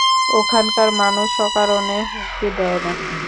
ওখানকার মানুষ অকারণে হুমকি দেয় না।